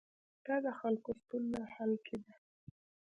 دا د خلکو ستونزو حل کې ده.